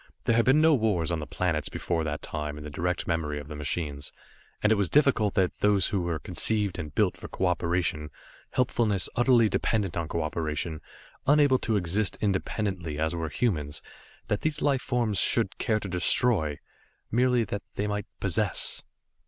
There had been no wars on the planets before that time in the direct memory of the machines, and it was difficult that these who were conceived and built for cooperation, helpfulness utterly dependent on cooperation, unable to exist independently as were humans, that these life forms should care to destroy, merely that they might possess.